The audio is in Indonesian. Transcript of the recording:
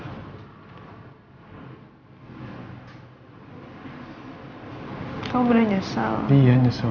kamu beneran nyesel